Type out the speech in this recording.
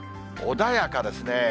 穏やかですね。